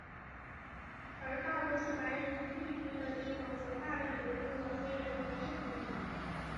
而大多数白人聚居的地方则大量流入了黑人和印度裔。